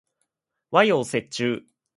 和洋折衷